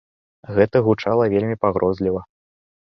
Гэта гучала вельмі пагрозліва.